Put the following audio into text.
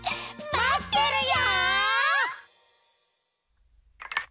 まってるよ！